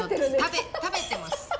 食べてます。